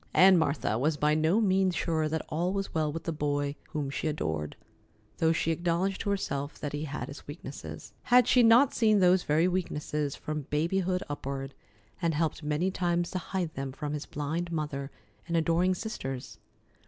Aunt Martha was by no means sure that all was well with the boy whom she adored, though she acknowledged to herself that he had his weaknesses. Had she not seen those very weaknesses from babyhood upward, and helped many times to hide them from his blind mother and adoring sisters?